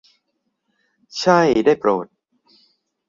ใช่ได้โปรด !